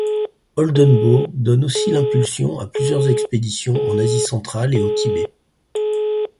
Oldenbourg donne aussi l'impulsion à plusieurs expéditions en Asie centrale et au Tibet.